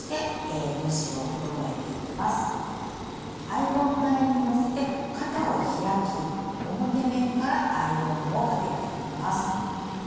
アイロン台にのせて肩を開き表面からアイロンをかけていきます。